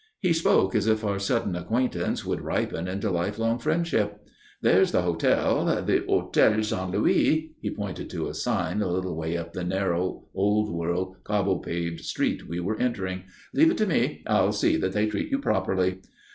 He spoke as if our sudden acquaintance would ripen into life long friendship. "There's the hotel the Hôtel Saint Louis," he pointed to the sign a little way up the narrow, old world, cobble paved street we were entering. "Leave it to me; I'll see that they treat you properly."